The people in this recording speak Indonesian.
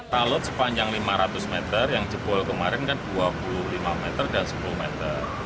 talut sepanjang lima ratus meter yang jebol kemarin kan dua puluh lima meter dan sepuluh meter